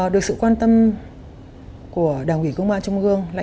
được sự quan tâm của đảng ủy công an trung ương